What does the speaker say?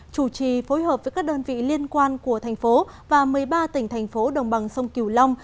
chủ trì phối hợp với các đơn vị liên quan của thành phố và một mươi ba tỉnh thành phố đồng bằng sông kiều long